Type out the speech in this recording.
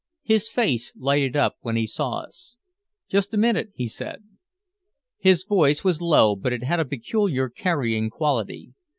His face lighted up when he saw us. "Just a minute," he said. His voice was low but it had a peculiar carrying quality.